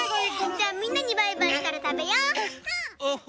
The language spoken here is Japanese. じゃあみんなにバイバイしたらたべよう！